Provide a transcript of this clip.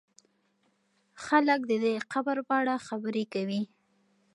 خلک د دې قبر په اړه خبرې کوي.